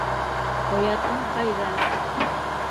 Оятың ҡайҙа?